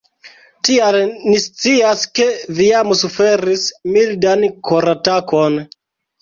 Tial ni scias ke vi jam suferis mildan koratakon.